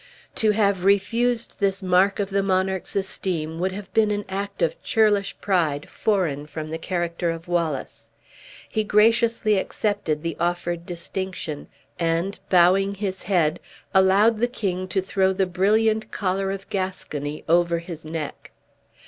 To have refused this mark of the monarch's esteem would have been an act of churlish pride foreign from the character of Wallace. He graciously accepted the offered distinction, and bowing his head, allowed the king to throw the brilliant collar of Gascony over his neck.